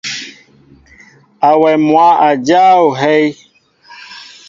Awem mwă a jáa ohɛy.